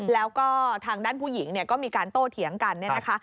แล้วก็ทางด้านผู้หญิงก็มีการโตเทียงกัน